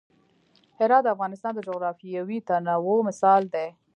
هرات د افغانستان د جغرافیوي تنوع مثال دی.